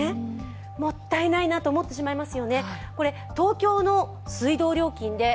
もったいないなと思ってしまいますよね。